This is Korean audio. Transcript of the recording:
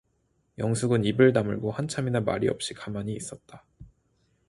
영숙은 입을 다물고 한참이나 말이 없이 가만히 있었다.